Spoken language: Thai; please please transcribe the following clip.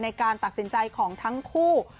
ในการตัดสินใจของทั้งคู่